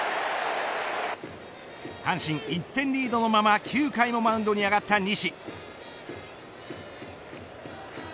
阪神、１点リードのまま９回もマウンドに上がった西。